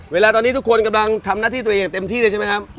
เวลาตอนนี้ทุกคนกำลังทำหน้าที่ตัวเองอย่างเต็มที่เลยใช่ไหมครับ